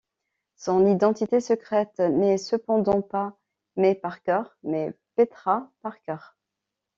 Son identité secrète n'est cependant pas May Parker mais Petra Parker.